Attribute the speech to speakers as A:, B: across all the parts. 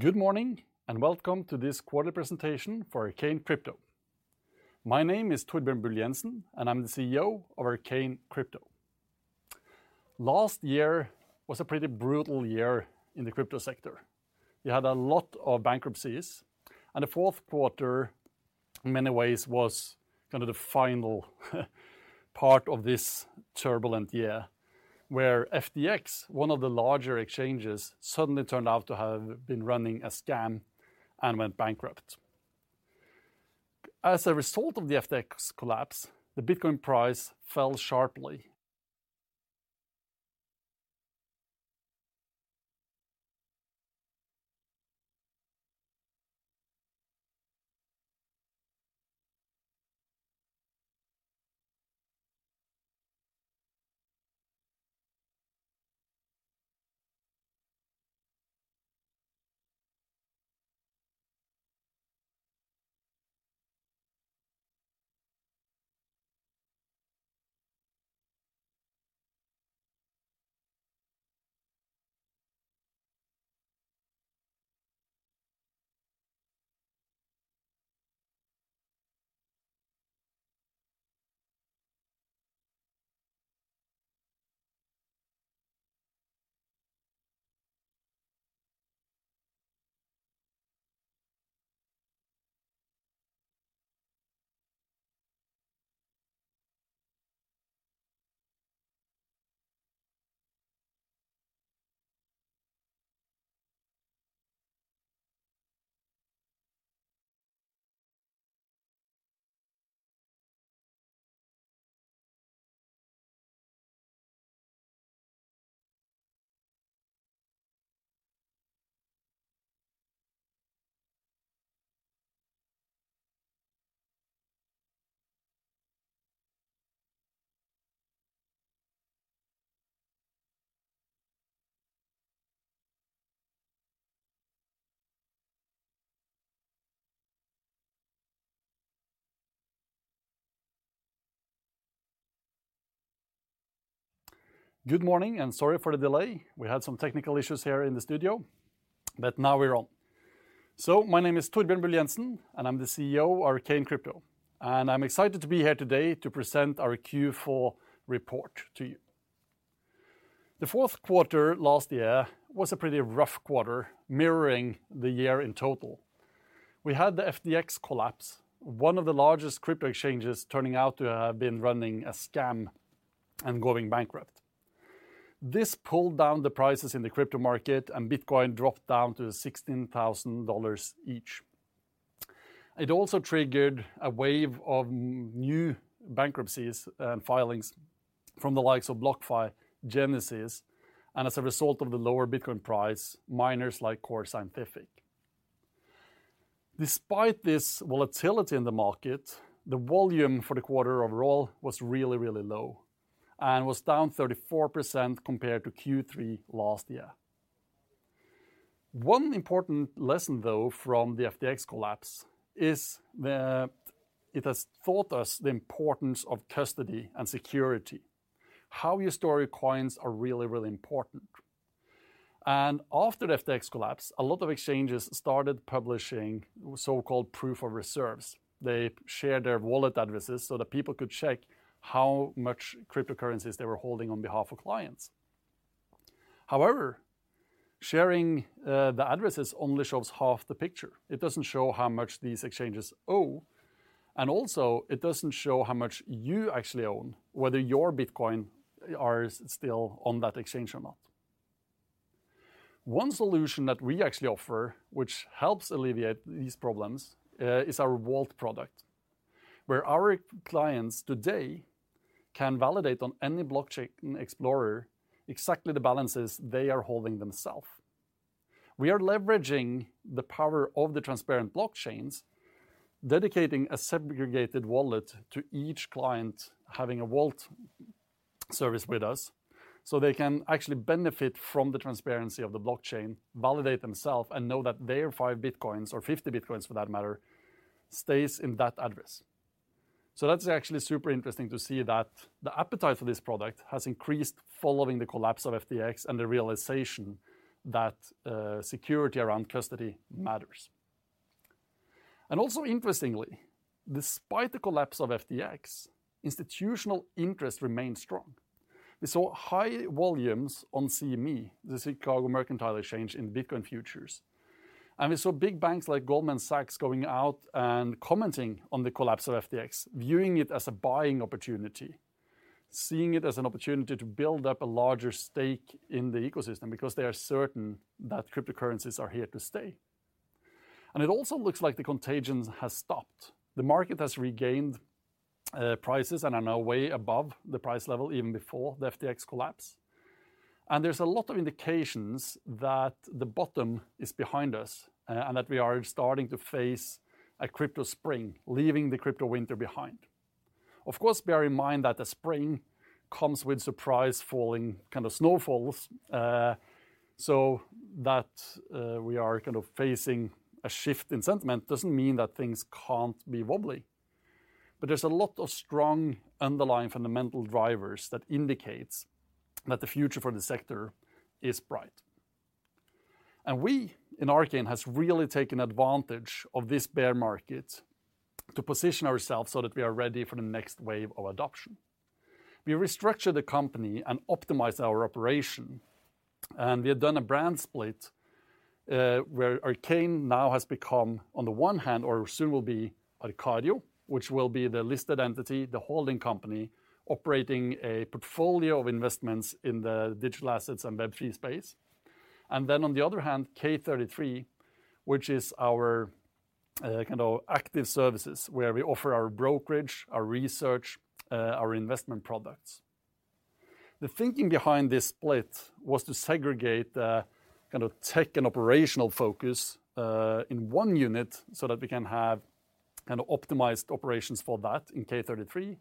A: Good morning, and welcome to this quarter presentation for Arcane Crypto. My name is Torbjørn Bull Jenssen, and I'm the CEO of Arcane Crypto. Last year was a pretty brutal year in the crypto sector. You had a lot of bankruptcies, and the Q4 in many ways was kind of the final part of this turbulent year, where FTX, one of the larger exchanges, suddenly turned out to have been running a scam and went bankrupt. As a result of the FTX collapse, the Bitcoin price fell sharply. Good morning, and sorry for the delay. We had some technical issues here in the studio, but now we're on. My name is Torbjørn Bull Jenssen, and I'm the CEO of Arcane Crypto. I'm excited to be here today to present our Q4 report to you. The Q4 last year was a pretty rough quarter, mirroring the year in total. We had the FTX collapse, one of the largest crypto exchanges turning out to have been running a scam and going bankrupt. This pulled down the prices in the crypto market, and Bitcoin dropped down to $16,000 each. It also triggered a wave of new bankruptcies and filings from the likes of BlockFi, Genesis, and as a result of the lower Bitcoin price, miners like Core Scientific. Despite this volatility in the market, the volume for the quarter overall was really, really low and was down 34% compared to Q3 last year. One important lesson, though, from the FTX collapse, it has taught us the importance of custody and security. How you store your coins are really, really important. After the FTX collapse, a lot of exchanges started publishing so-called Proof of Reserves. They shared their wallet addresses so that people could check how much cryptocurrencies they were holding on behalf of clients. However, sharing the addresses only shows half the picture. It doesn't show how much these exchanges owe, and also it doesn't show how much you actually own, whether your Bitcoin are still on that exchange or not. One solution that we actually offer, which helps alleviate these problems, is our vault product, where our clients today can validate on any blockchain explorer exactly the balances they are holding themselves. We are leveraging the power of the transparent blockchains, dedicating a segregated wallet to each client having a vault service with us, so they can actually benefit from the transparency of the blockchain, validate themselves, and know that their 5 Bitcoins or 50 Bitcoins for that matter, stays in that address. That's actually super interesting to see that the appetite for this product has increased following the collapse of FTX and the realization that security around custody matters. Also interestingly, despite the collapse of FTX, institutional interest remained strong. We saw high volumes on CME, the Chicago Mercantile Exchange, in Bitcoin futures. We saw big banks like Goldman Sachs going out and commenting on the collapse of FTX, viewing it as a buying opportunity, seeing it as an opportunity to build up a larger stake in the ecosystem because they are certain that cryptocurrencies are here to stay. It also looks like the contagion has stopped. The market has regained prices and are now way above the price level even before the FTX collapse. There's a lot of indications that the bottom is behind us and that we are starting to face a crypto spring, leaving the crypto winter behind. Of course, bear in mind that the spring comes with surprise falling kind of snowfalls, so that we are kind of facing a shift in sentiment doesn't mean that things can't be wobbly. There's a lot of strong underlying fundamental drivers that indicates that the future for the sector is bright. We in Arcane has really taken advantage of this bear market to position ourselves so that we are ready for the next wave of adoption. We restructured the company and optimized our operation, and we have done a brand split, where Arcane now has become, on the one hand, or soon will be Arcario, which will be the listed entity, the holding company, operating a portfolio of investments in the digital assets and Web3 space. On the other hand, K33, which is our kind of active services, where we offer our brokerage, our research, our investment products. The thinking behind this split was to segregate the kind of tech and operational focus in one unit so that we can have kind of optimized operations for that in K33,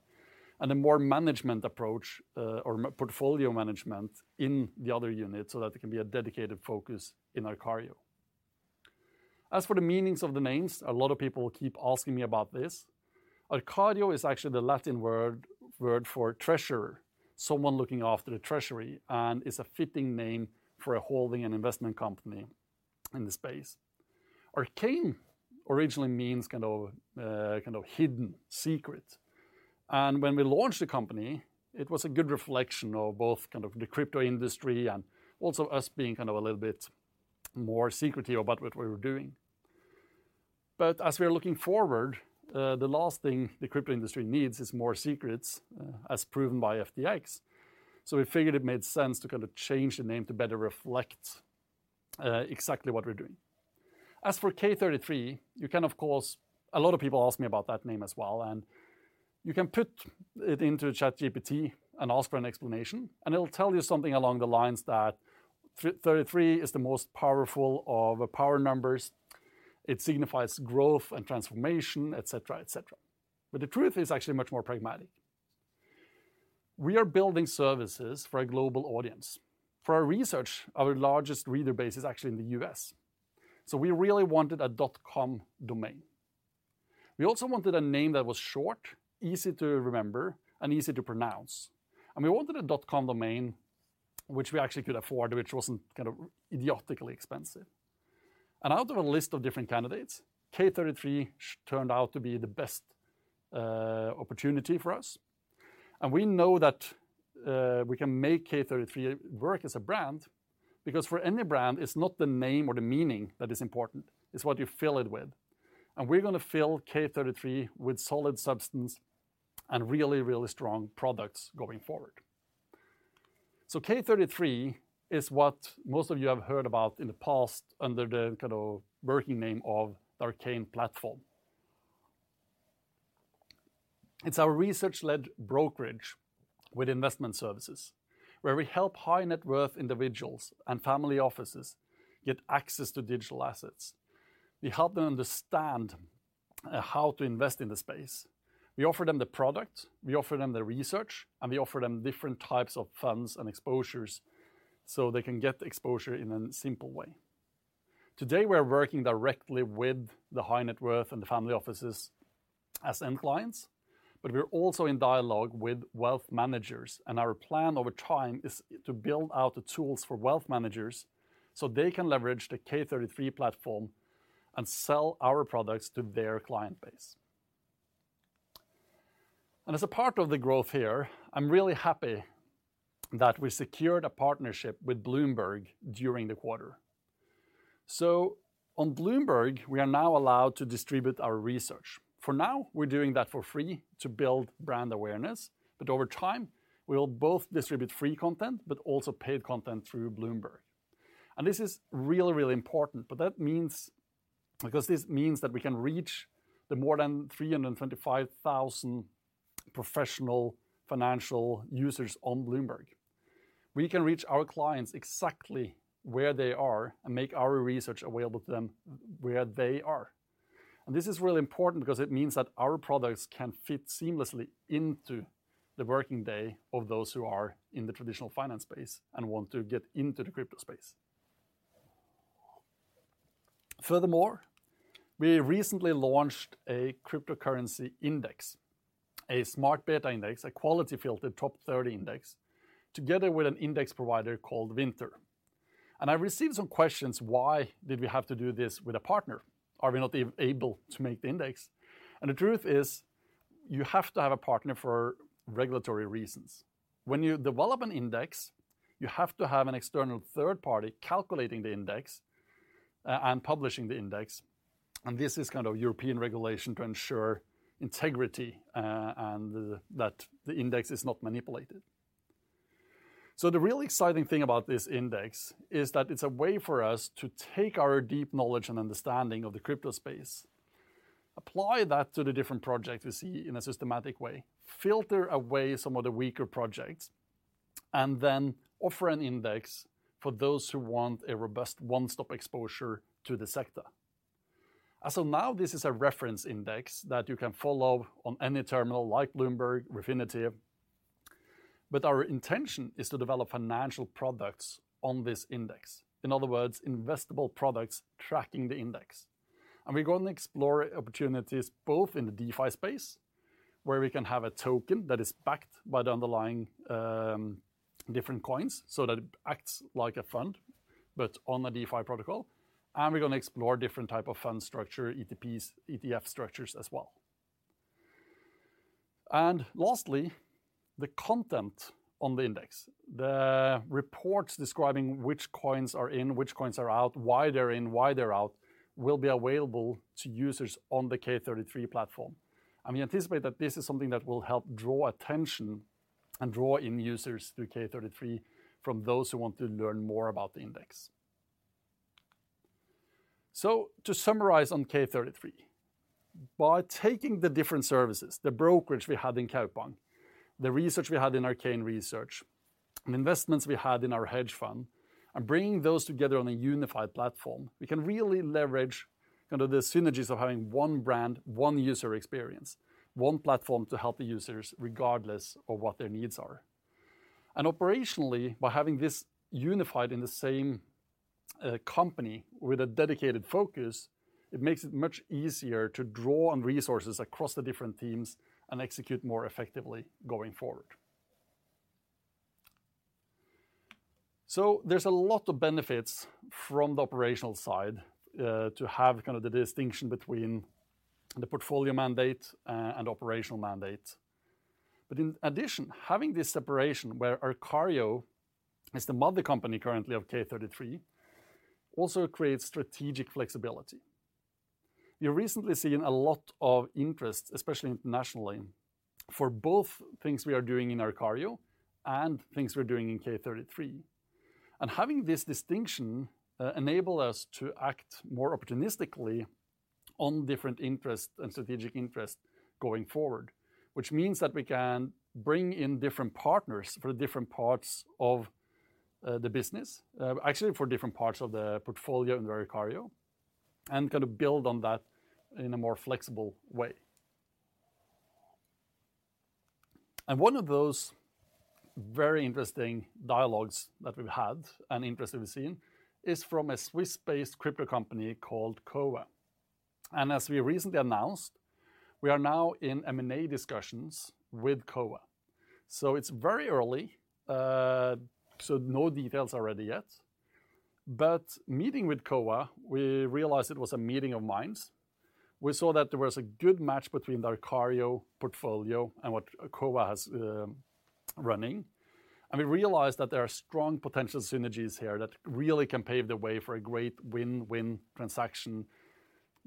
A: and a more management approach, or portfolio management in the other unit so that it can be a dedicated focus in Arcario. As for the meanings of the names, a lot of people keep asking me about this. Arcario is actually the Latin word for treasurer, someone looking after the treasury, and is a fitting name for a holding and investment company in the space. Arcane originally means kind of, kind of hidden, secret. When we launched the company, it was a good reflection of both kind of the crypto industry and also us being kind of a little bit more secretive about what we were doing. As we are looking forward, the last thing the crypto industry needs is more secrets, as proven by FTX. We figured it made sense to kind of change the name to better reflect exactly what we're doing. As for K33, a lot of people ask me about that name as well, and you can put it into ChatGPT and ask for an explanation, and it'll tell you something along the lines that 33 is the most powerful of power numbers. It signifies growth and transformation, et cetera, et cetera. The truth is actually much more pragmatic. We are building services for a global audience. For our research, our largest reader base is actually in the U.S., we really wanted a dot-com domain. We also wanted a name that was short, easy to remember, and easy to pronounce, we wanted a dot-com domain which we actually could afford, which wasn't kind of idiotically expensive. Out of a list of different candidates, K33 turned out to be the best opportunity for us, and we know that we can make K33 work as a brand because for any brand, it's not the name or the meaning that is important, it's what you fill it with. We're gonna fill K33 with solid substance and really, really strong products going forward. K33 is what most of you have heard about in the past under the kind of working name of the Arcane Platform. It's our research-led brokerage with investment services, where we help high-net-worth individuals and family offices get access to digital assets. We help them understand how to invest in the space. We offer them the product, we offer them the research, and we offer them different types of funds and exposures, so they can get the exposure in a simple way. Today, we are working directly with the high-net-worth and the family offices as end clients. We're also in dialogue with wealth managers. Our plan over time is to build out the tools for wealth managers, so they can leverage the K33 platform and sell our products to their client base. As a part of the growth here, I'm really happy that we secured a partnership with Bloomberg during the quarter. On Bloomberg, we are now allowed to distribute our research. For now, we're doing that for free to build brand awareness, over time, we will both distribute free content but also paid content through Bloomberg. This is really, really important, because this means that we can reach the more than 325,000 professional financial users on Bloomberg. We can reach our clients exactly where they are and make our research available to them where they are. This is really important because it means that our products can fit seamlessly into the working day of those who are in the traditional finance space and want to get into the crypto space. Furthermore, we recently launched a cryptocurrency index, a smart beta index, a quality-filtered top 30 index, together with an index provider called Vinter. I received some questions, why did we have to do this with a partner? Are we not able to make the index? The truth is, you have to have a partner for regulatory reasons. When you develop an index, you have to have an external third party calculating the index and publishing the index, and this is kind of European regulation to ensure integrity and that the index is not manipulated. The really exciting thing about this index is that it's a way for us to take our deep knowledge and understanding of the crypto space, apply that to the different projects we see in a systematic way, filter away some of the weaker projects, and then offer an index for those who want a robust one-stop exposure to the sector. As of now, this is a reference index that you can follow on any terminal like Bloomberg, Refinitiv. Our intention is to develop financial products on this index. In other words, investable products tracking the index. We're going to explore opportunities both in the DeFi space, where we can have a token that is backed by the underlying different coins, so that it acts like a fund, but on a DeFi protocol. We're gonna explore different type of fund structure, ETPs, ETF structures as well. Lastly, the content on the index. The reports describing which coins are in, which coins are out, why they're in, why they're out, will be available to users on the K33 platform. We anticipate that this is something that will help draw attention and draw in users through K33 from those who want to learn more about the index. To summarize on K33, by taking the different services, the brokerage we had in Kaupang, the research we had in Arcane Research, and investments we had in our hedge fund, and bringing those together on a unified platform, we can really leverage kind of the synergies of having one brand, one user experience, one platform to help the users regardless of what their needs are. Operationally, by having this unified in the same company with a dedicated focus, it makes it much easier to draw on resources across the different teams and execute more effectively going forward. There's a lot of benefits from the operational side, to have kind of the distinction between the portfolio mandate, and operational mandate. In addition, having this separation where Arcario is the mother company currently of K33 also creates strategic flexibility. We've recently seen a lot of interest, especially internationally, for both things we are doing in Arcario and things we're doing in K33. Having this distinction, enable us to act more opportunistically on different interests and strategic interests going forward, which means that we can bring in different partners for different parts of the business, actually for different parts of the portfolio in Arcario, and kind of build on that in a more flexible way. One of those very interesting dialogues that we've had, and interest we've seen, is from a Swiss-based crypto company called COWA. As we recently announced, we are now in M&A discussions with COWA. It's very early, so no details are ready yet. Meeting with COWA, we realized it was a meeting of minds. We saw that there was a good match between the Arcario portfolio and what COWA has running. We realized that there are strong potential synergies here that really can pave the way for a great win-win transaction,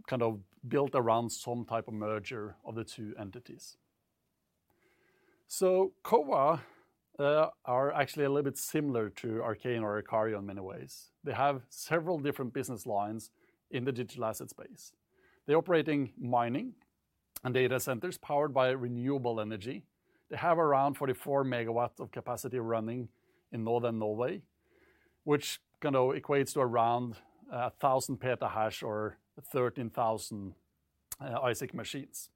A: kind of built around some type of merger of the two entities. COWA are actually a little bit similar to Arcane or Arcario in many ways. They have several different business lines in the digital asset space. They operate in mining and data centers powered by renewable energy. They have around 44 megawatts of capacity running in northern Norway, which kind of equates to around 1,000 petahash or 13,000 ASIC machines.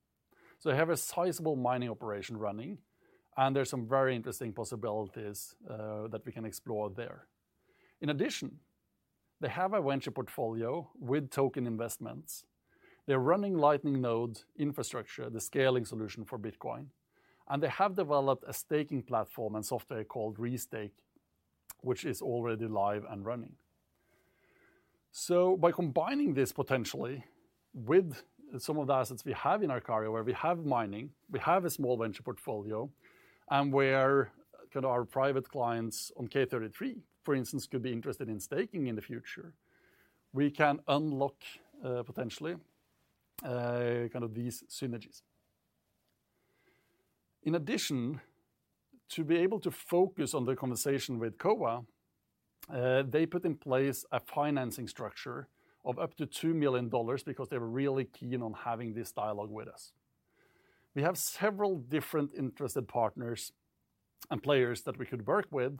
A: They have a sizable mining operation running, and there's some very interesting possibilities that we can explore there. In addition, they have a venture portfolio with token investments. They're running Lightning Node infrastructure, the scaling solution for Bitcoin. They have developed a staking platform and software called REStake, which is already live and running. By combining this potentially with some of the assets we have in Arcario, where we have mining, we have a small venture portfolio, and where kind of our private clients on K33, for instance, could be interested in staking in the future, we can unlock, potentially, kind of these synergies. In addition, to be able to focus on the conversation with COWA, they put in place a financing structure of up to $2 million because they were really keen on having this dialogue with us. We have several different interested partners and players that we could work with,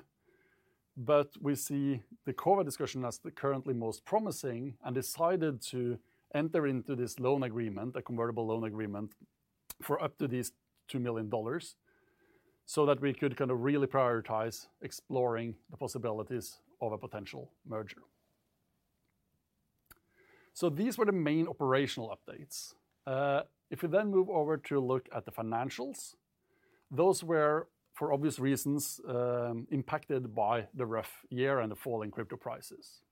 A: we see the COWA discussion as the currently most promising and decided to enter into this loan agreement, a convertible loan agreement, for up to these $2 million, that we could kind of really prioritize exploring the possibilities of a potential merger. These were the main operational updates. If we move over to look at the financials, those were, for obvious reasons, impacted by the rough year and the fall in crypto prices.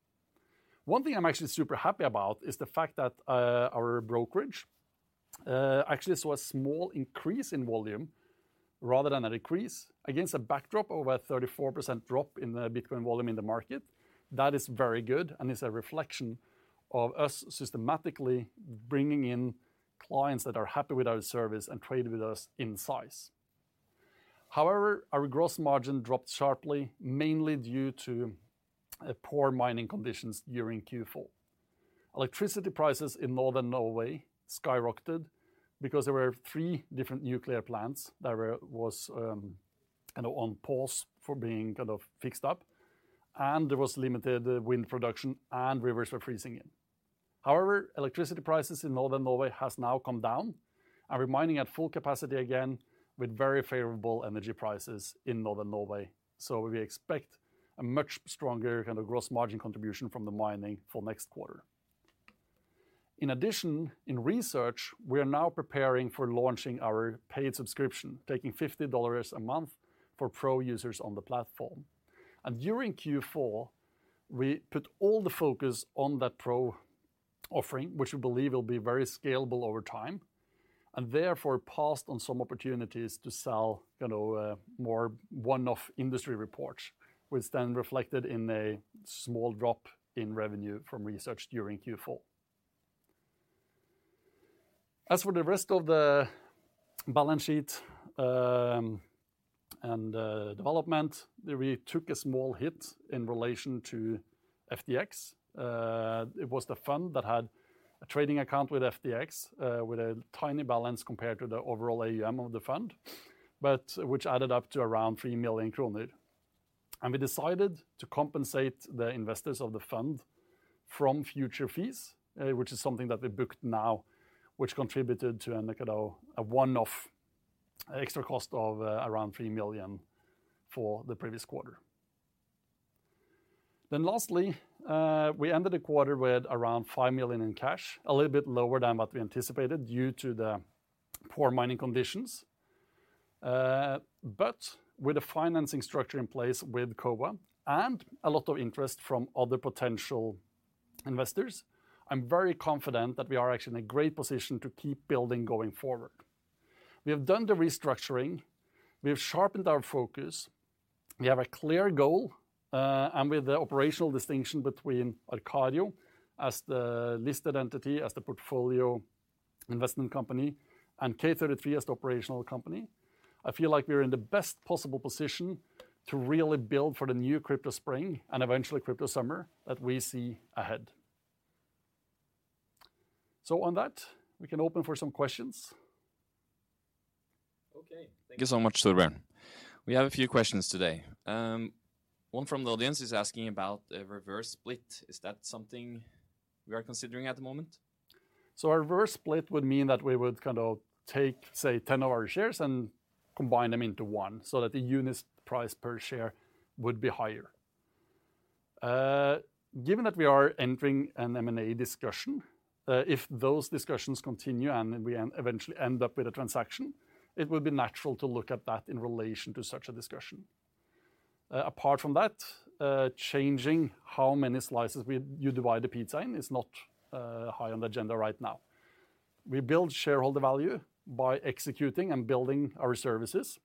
A: One thing I'm actually super happy about is the fact that our brokerage actually saw a small increase in volume rather than a decrease against a backdrop of a 34% drop in the Bitcoin volume in the market. That is very good and is a reflection of us systematically bringing in clients that are happy with our service and trade with us in size. Our gross margin dropped sharply, mainly due to poor mining conditions during Q4. Electricity prices in Northern Norway skyrocketed because there were three different nuclear plants that were, you know, on pause for being kind of fixed up, and there was limited wind production, and rivers were freezing in. Electricity prices in Northern Norway has now come down, and we're mining at full capacity again with very favorable energy prices in Northern Norway. We expect a much stronger kind of gross margin contribution from the mining for next quarter. In addition, in research, we are now preparing for launching our paid subscription, taking $50 a month for pro users on the platform. During Q4, we put all the focus on that pro offering, which we believe will be very scalable over time, and therefore passed on some opportunities to sell, you know, more one-off industry reports, which then reflected in a small drop in revenue from research during Q4. As for the rest of the balance sheet, and development, we took a small hit in relation to FTX. It was the fund that had a trading account with FTX, with a tiny balance compared to the overall AUM of the fund, but which added up to around 3 million kroner. We decided to compensate the investors of the fund from future fees, which is something that we booked now, which contributed to a one-off extra cost of around 3 million for the previous quarter. Lastly, we ended the quarter with around 5 million in cash, a little bit lower than what we anticipated due to the poor mining conditions. With the financing structure in place with COWA and a lot of interest from other potential investors, I'm very confident that we are actually in a great position to keep building going forward. We have done the restructuring, we have sharpened our focus, we have a clear goal, and with the operational distinction between Arcario as the listed entity, as the portfolio investment company, and K33 as the operational company, I feel like we're in the best possible position to really build for the new crypto spring and eventually crypto summer that we see ahead. On that, we can open for some questions.
B: Okay. Thank you so much, Soren. We have a few questions today. One from the audience is asking about a reverse split. Is that something we are considering at the moment?
A: A reverse split would mean that we would kind of take, say, 10 of our shares and combine them into one, so that the unit price per share would be higher. Given that we are entering an M&A discussion, if those discussions continue and we eventually end up with a transaction, it would be natural to look at that in relation to such a discussion. Apart from that, changing how many slices you divide the pizza in is not high on the agenda right now. We build shareholder value by executing and building our services,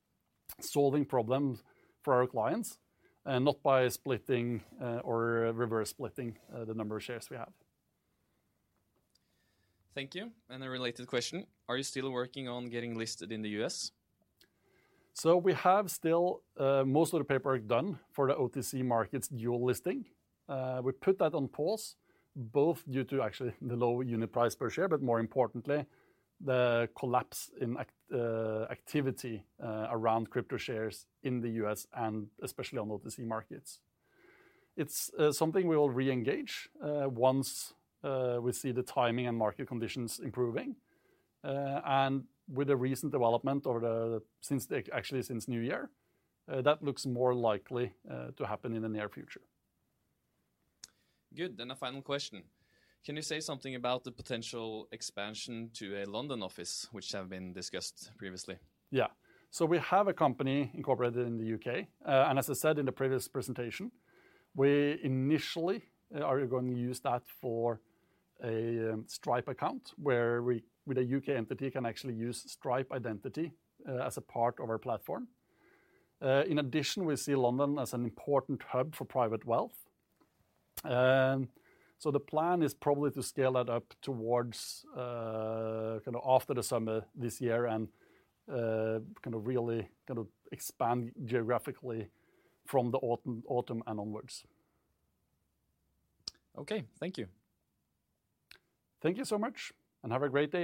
A: solving problems for our clients, and not by splitting or reverse splitting the number of shares we have.
B: Thank you. A related question, are you still working on getting listed in the U.S.?
A: We have still most of the paperwork done for the OTC Markets dual listing. We put that on pause, both due to actually the low unit price per share, but more importantly, the collapse in activity around crypto shares in the U.S. and especially on OTC Markets. It's something we will re-engage once we see the timing and market conditions improving. With the recent development or since actually since New Year, that looks more likely to happen in the near future.
B: Good. A final question. Can you say something about the potential expansion to a London office which have been discussed previously?
A: Yeah. We have a company incorporated in the U.K., and as I said in the previous presentation, we initially are going to use that for a Stripe account, where we, with a U.K. entity, can actually use Stripe Identity as a part of our platform. In addition, we see London as an important hub for private wealth. The plan is probably to scale that up towards kind of after the summer this year and kind of really gonna expand geographically from the autumn and onwards.
B: Okay. Thank you.
A: Thank you so much, and have a great day.